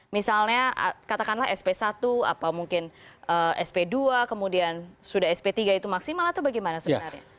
misalnya katakanlah sp satu apa mungkin sp dua kemudian sudah sp tiga itu maksimal atau bagaimana sebenarnya